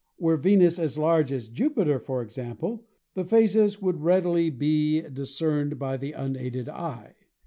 Were Venus as large as Jupiter, for example, the phases would read ily be discerned by the unaided eye.